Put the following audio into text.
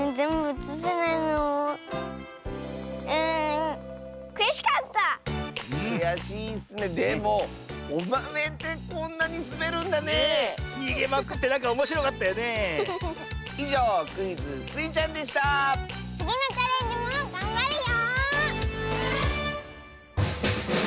つぎのチャレンジもがんばるよ！